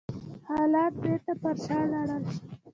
حالات بېرته پر شا لاړل.